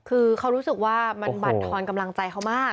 คือเขารู้สึกว่ามันบั่นทอนกำลังใจเขามาก